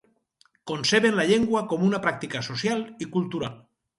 Conceben la llengua com una pràctica social i cultural.